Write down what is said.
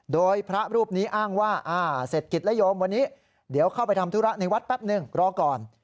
โดยพระรูปนี้อ้างว่าเศรษฐกิจและโยมวันนี้เดี๋ยวเข้าไปทำธุระในวัดแป๊บนึงรอก่อน